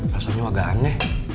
rasanya agak aneh